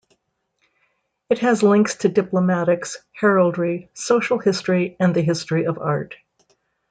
It has links to diplomatics, heraldry, social history, and the history of art.